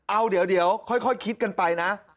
เอาเดี๋ยวค่อยคิดกันไปนะ